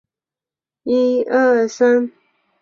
是下辖的一个乡镇级行政单位。